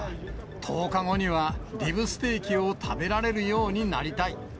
１０日後にはリブステーキを食べられるようになりたい。